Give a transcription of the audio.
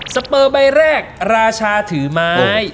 สเปอร์ใบแรกราชาถือไม้